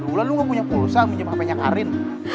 wulan lu ga punya pulsa punya mpnya karin